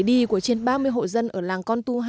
đi của trên ba mươi hộ dân ở làng con tu hai